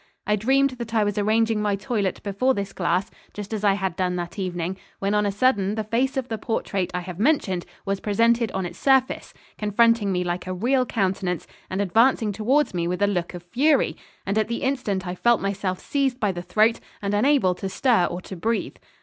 I dreamed that I was arranging my toilet before this glass just as I had done that evening when on a sudden the face of the portrait I have mentioned was presented on its surface, confronting me like a real countenance, and advancing towards me with a look of fury; and at the instant I felt myself seized by the throat and unable to stir or to breathe.